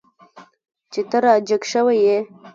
چې ته را جګ شوی یې.